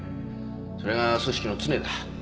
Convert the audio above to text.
それが組織の常だ。